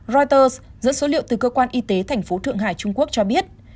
reuters dẫn số liệu từ cơ quan y tế tp thượng hải trung quốc cho biết